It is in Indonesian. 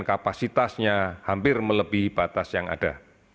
kapasitasnya hampir melebihi batas yang ada